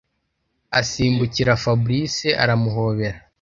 asimbukira fabric aramuhobera.